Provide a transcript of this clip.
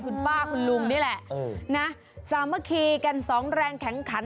คุณป้าคุณลุงนี่แหละนะสามัคคีกันสองแรงแข็งขัน